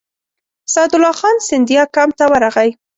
سعدالله خان سیندیا کمپ ته ورغی.